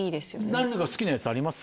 何か好きなやつあります？